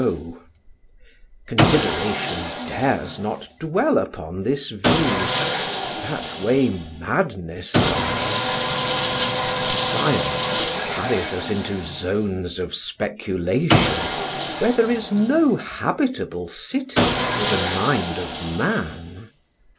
Consideration dares not dwell upon this view; that way madness lies; science carries us into zones of speculation, where there is no habitable city for the mind of man.